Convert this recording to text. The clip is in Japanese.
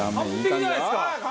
完璧じゃないですか！